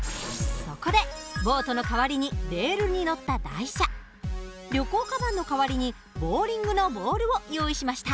そこでボートの代わりにレールに載った台車旅行カバンの代わりにボウリングのボールを用意しました。